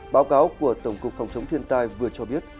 báo cáo của tổng cục phòng chống thiên tai vừa cho biết